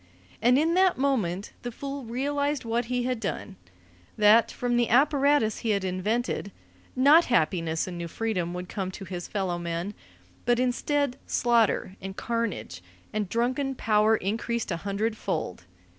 And in that moment the fool realized what he had done: that, from the apparatus he had invented, not happiness and new freedom would come to his fellow men, but instead slaughter and carnage and drunken power increased a hundredfold.